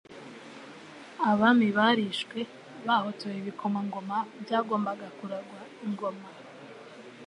Abami barishwe, bahotoye ibikomangoma byagombaga kuragwa ingoma;